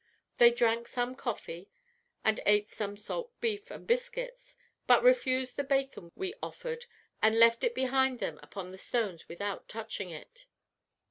They drank some coffee, and ate some salt beef and biscuits, but refused the bacon we offered, and left it behind them upon the stones without touching it.